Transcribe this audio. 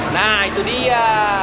nah itu dia